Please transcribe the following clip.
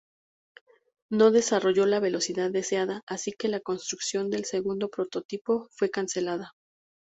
No desarrolló la velocidad deseada, así que la construcción del segundo prototipo fue cancelada.